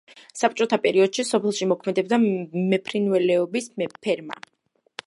საბჭოთა პერიოდში სოფელში მოქმედებდა მეფრინველეობის ფერმა.